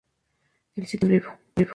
El sitio no está más vivo.